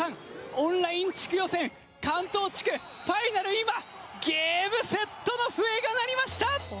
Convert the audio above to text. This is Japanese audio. オンライン地区予選関東地区ファイナル今ゲームセットの笛が鳴りました！